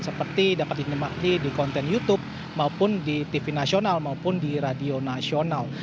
seperti dapat dinikmati di konten youtube maupun di tv nasional maupun di radio nasional